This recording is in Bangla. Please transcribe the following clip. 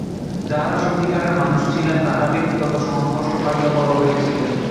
যাঁহারা সত্যিকারের মানুষ ছিলেন, তাঁহারা ব্যক্তিগত সংস্পর্শ পাইয়াই বড় হইয়াছিলেন।